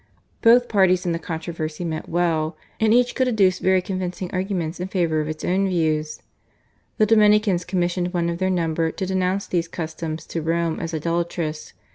Both parties in the controversy meant well, and each could adduce very convincing arguments in favour of its own views. The Dominicans commissioned one of their number to denounce these customs to Rome as idolatrous.